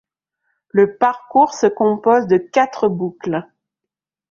Le parcours se compose de quatre boucles.